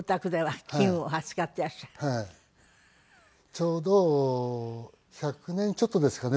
ちょうど１００年ちょっとですかね。